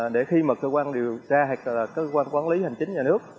để khi mà cơ quan điều tra hay cơ quan quản lý hành chính nhà nước